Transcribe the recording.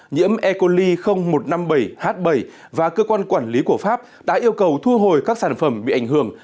nhiễm e coli một trăm năm mươi bảy h bảy và cơ quan quản lý của pháp đã yêu cầu thu hồi các sản phẩm bị ảnh hưởng